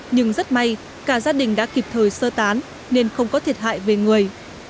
nhưng rất may cả gia đình đã kịp thời sơ tán nên không có thiệt hại về người